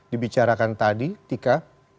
dibicarakan tadi tika